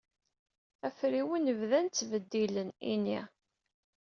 Afriwen bdan ttbeddilen ini.